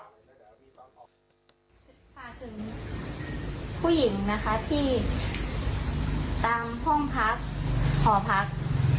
ฝากถึงผู้หญิงนะคะที่ตามห้องพักหอพัก